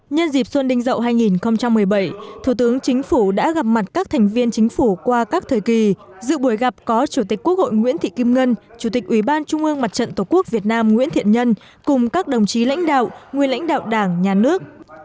nhân dịp xuân đinh dậu hai nghìn một mươi bảy thủ tướng chính phủ đã gặp mặt các thành viên chính phủ qua các thời kỳ dự buổi gặp có chủ tịch quốc hội nguyễn thị kim ngân chủ tịch ủy ban trung ương mặt trận tổ quốc việt nam nguyễn thiện nhân cùng các đồng chí lãnh đạo nguyên lãnh đạo đảng nhà nước